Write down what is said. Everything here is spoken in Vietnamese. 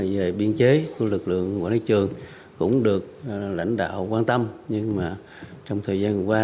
về biên chế của lực lượng quản lý trường cũng được lãnh đạo quan tâm nhưng mà trong thời gian vừa qua